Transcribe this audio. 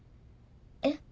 えっ？